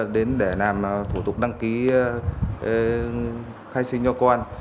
đến để làm thủ tục đăng ký khai sinh cho con